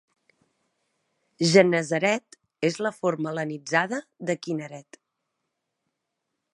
"Gennesaret" és la forma hel·lenitzada de Kinneret.